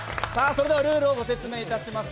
それではルールをご説明いたします。